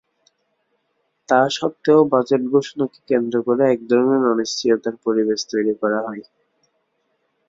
তা সত্ত্বেও বাজেট ঘোষণাকে কেন্দ্র করে একধরনের অনিশ্চয়তার পরিবেশ তৈরি করা হয়।